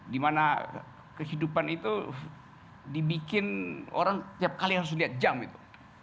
dimana kehidupan itu dibikin orang tiap kali harus lihat jam itu